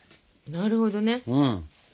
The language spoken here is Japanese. なるほどね。